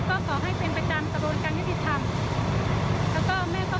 ก็ขอให้เป็นประจำกระบวนการที่ติดทำ